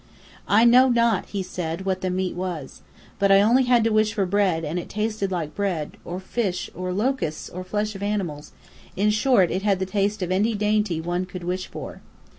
"I know not," he said, "what the meat was. But I had only to wish for bread, and it tasted like bread, or fish, or locusts, or flesh of animals, in short, it had the taste of any dainty one could wish for."